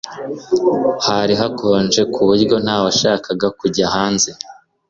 hari hakonje kuburyo ntawashakaga kujya hanze